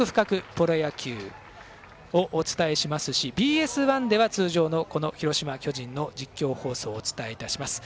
プロ野球」をお伝えしますしＢＳ１では通常の広島、巨人の実況放送をお伝えいたします。